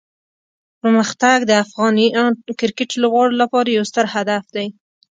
پرمختګ د افغان کرکټ لوبغاړو لپاره یو ستر هدف دی.